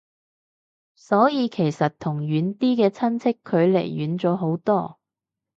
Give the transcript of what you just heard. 所以其實同遠啲嘅親戚距離遠咗好多